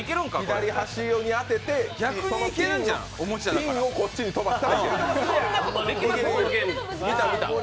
左端に当てて、ピンをこっちに飛ばしたらいけるんよ。